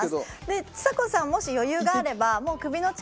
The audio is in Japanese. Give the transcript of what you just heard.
でちさ子さんもし余裕があればもう首の力。